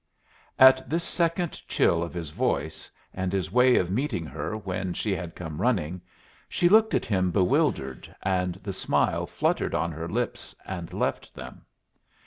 At this second chill of his voice, and his way of meeting her when she had come running, she looked at him bewildered, and the smile fluttered on her lips and left them.